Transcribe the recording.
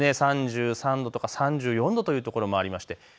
３３度とか３４度という所もありまして